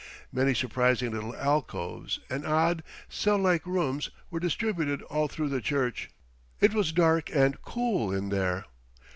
Many surprising little alcoves and odd, cell like rooms were distributed all through the church. It was dark and cool in there.